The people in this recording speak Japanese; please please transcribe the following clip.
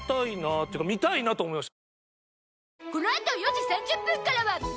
っていうか見たいなと思いました。